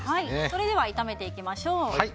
それでは炒めていきましょう。